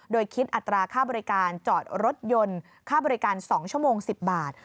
โดยคิดอัตราค่าบริการจอดรถยนต์ค่าบริการ๒ชั่วโมง๑๐บาท